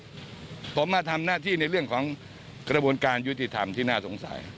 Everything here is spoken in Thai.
ผมมาทำหน้าที่ในเรื่องของกระบวนการยุติธรรมที่น่าสงสัย